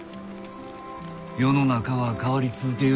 世の中は変わり続けゆうけんど。